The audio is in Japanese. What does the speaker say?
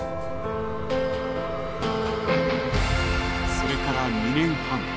それから２年半。